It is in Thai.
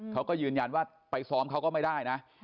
เขาก็ยืนยันว่าไปซ้อมเขาก็ไม่ได้นะ